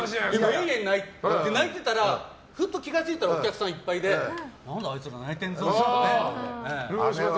えんえん泣いてたらふと気が付いたらお客さんいっぱいで何だ、あいつら泣いてるぞって。